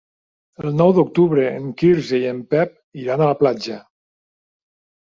El nou d'octubre en Quirze i en Pep iran a la platja.